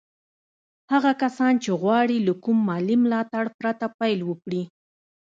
هغه کسان چې غواړي له کوم مالي ملاتړ پرته پيل وکړي.